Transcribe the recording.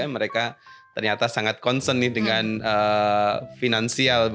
mereka ternyata sangat concern dengan finansial